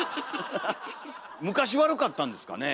昔ワルかったんですかね。